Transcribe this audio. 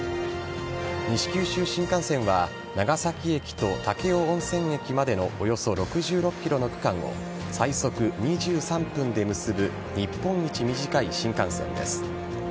西九州新幹線は長崎駅と武雄温泉駅までのおよそ６６ｋｍの区間を最速２３分で結ぶ日本一短い新幹線です。